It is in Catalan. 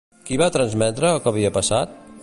Qui va transmetre el que havia passat?